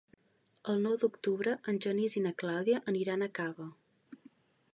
El nou d'octubre en Genís i na Clàudia aniran a Cava.